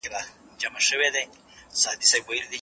د لويي جرګې په تالار کي د پټي رایي ورکولو صندوق چېرته دی؟